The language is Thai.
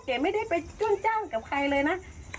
แต่ไม่ได้ไปจ้วนจ้างกับใครเลยนะ